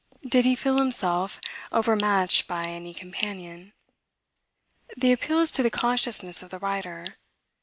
Did he feel himself, overmatched by any companion? The appeal is to the consciousness of the writer.